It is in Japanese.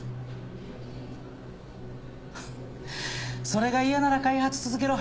それが嫌なら開発続けろ。